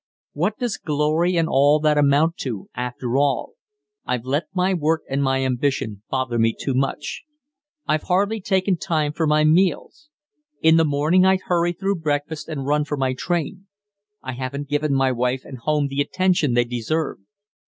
What does glory and all that amount to, after all? I've let my work and my ambition bother me too much. I've hardly taken time for my meals. In the morning I'd hurry through breakfast and run for my train. I haven't given my wife and my home the attention they deserve.